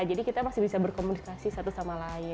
jadi kita masih bisa berkomunikasi satu sama lain gitu